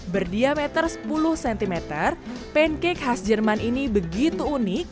berdiameter sepuluh cm pancake khas jerman ini begitu unik